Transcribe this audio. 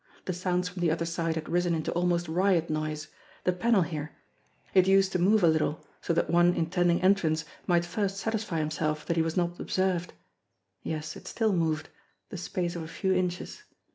The sounds from the other side had risen into almost riot noise. The panel here it used to move a little so that one intending entrance might first sat isfy himself that he was not observed. Yes, it still moved* the space of a few inches.